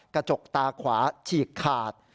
กระจกตาขวาฉีกขาด